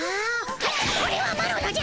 これはマロのじゃ！